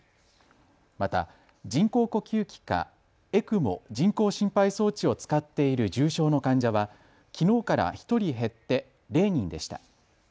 また人工呼吸器かＥＣＭＯ・人工心肺装置を使っている重症の患者はきのうから１人減って０人でした。